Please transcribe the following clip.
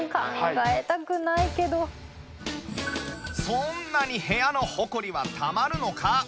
そんなに部屋のホコリはたまるのか？